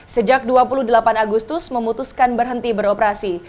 sejak dua puluh delapan agustus memutuskan berhenti beroperasi